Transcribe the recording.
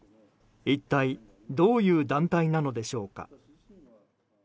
一体、どういう団体なのでしょうか。